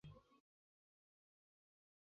这是历来第二次在德国举行赛事。